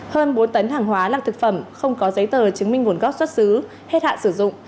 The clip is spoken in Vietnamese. hơn bốn tấn hàng hóa là thực phẩm không có giấy tờ chứng minh nguồn gốc xuất xứ hết hạn sử dụng